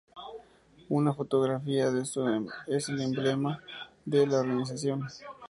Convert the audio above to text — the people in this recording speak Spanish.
Una fotografía de su es el emblema de la organización.